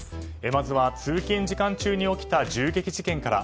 まずは、通勤時間中に起きた銃撃事件から。